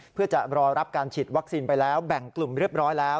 เพื่อจะรอรับการฉีดวัคซีนไปแล้วแบ่งกลุ่มเรียบร้อยแล้ว